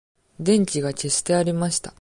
電気が消してありました。